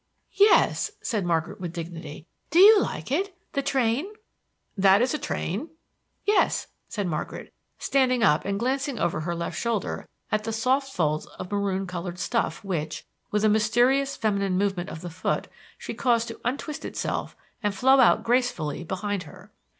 "Yes," said Margaret, with dignity. "Do you like it, the train?" "That's a train?" "Yes," said Margaret, standing up and glancing over her left shoulder at the soft folds of maroon colored stuff, which, with a mysterious feminine movement of the foot, she caused to untwist itself and flow out gracefully behind her.